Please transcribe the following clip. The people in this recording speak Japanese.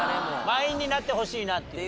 満員になってほしいなっていうね。